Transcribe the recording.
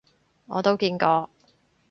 我都見過